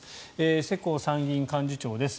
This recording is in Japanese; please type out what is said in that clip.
世耕参議院幹事長です。